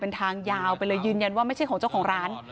เป็นทางยาวไปเลยยืนยันว่าไม่ใช่ของเจ้าของร้าน